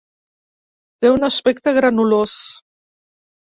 Té un aspecte granulós.